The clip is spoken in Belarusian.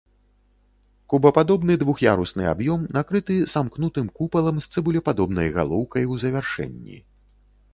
Кубападобны двух'ярусны аб'ём накрыты самкнутым купалам з цыбулепадобнай галоўкай у завяршэнні.